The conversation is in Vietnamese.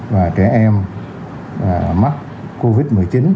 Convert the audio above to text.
và trẻ em mắc covid một mươi chín